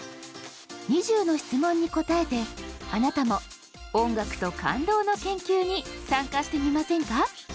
２０の質問に答えてあなたも音楽と感動の研究に参加してみませんか？